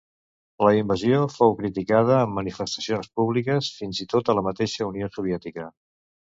La invasió fou criticada amb manifestacions públiques fins i tot a la mateixa Unió Soviètica.